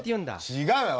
違うわよ。